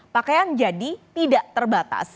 pakai yang jadi tidak terbatas